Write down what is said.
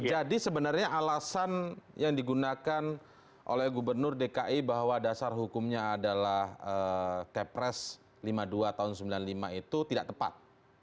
jadi sebenarnya alasan yang digunakan oleh gubernur dki bahwa dasar hukumnya adalah ke pres lima puluh dua tahun seribu sembilan ratus sembilan puluh lima itu tidak tepat